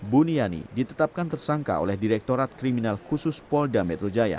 buniani ditetapkan tersangka oleh direktorat kriminal khusus polda metro jaya